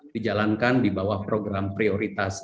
dijalankan di bawah program prioritas